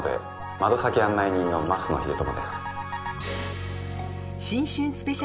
窓先案内人の升野英知です。